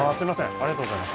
ありがとうございます